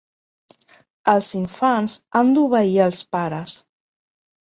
Els infants han d'obeir els pares.